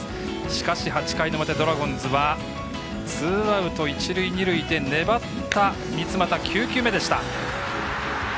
しかし、８回の表ドラゴンズはツーアウト、一塁二塁で粘った三ツ俣、９球目でした。